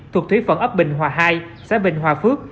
thuộc thí phận ấp bình hòa hai xã bình hòa phước